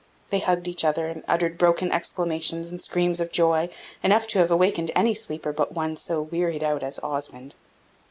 They hugged each other, and uttered broken exclamations and screams of joy, enough to have awakened any sleeper but one so wearied out as Osmond.